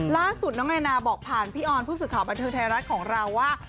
ล่าสุดน้องนายนาบอกผ่านพี่ออนผู้สื่อข่าวบันเทิงไทยรัฐของเราว่า